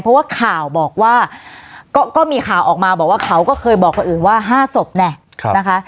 เพราะว่าข่าวบอกว่าก็มีข่าวออกมาบอกว่าเขาก็เคยบอกคนอื่นว่า๕ศพแน่นะคะ